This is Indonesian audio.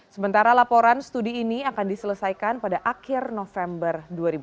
sementara laporan studi ini akan diselesaikan pada akhir november dua ribu dua puluh